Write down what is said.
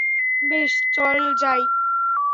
বেশ, যাই চল।